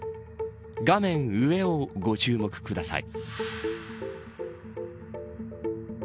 画面上をご注目ください。